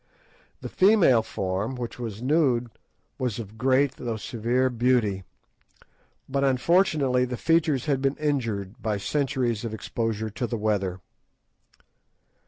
The female form, which was nude, was of great though severe beauty, but unfortunately the features had been injured by centuries of exposure to the weather.